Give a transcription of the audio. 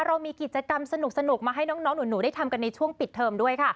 เรามีกิจกรรมสนุกมาให้น้องหนูได้ทำกันในช่วงปิดเทอมด้วยค่ะ